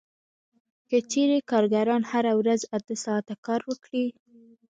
که چېرې کارګران هره ورځ اته ساعته کار وکړي